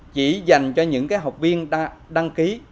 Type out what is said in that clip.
chỉ dành cho những học viên đăng ký